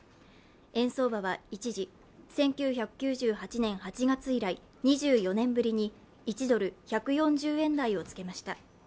円相場は一時、１９９８年８月以来２４年ぶりに１ドル＝１４０円台をつけました。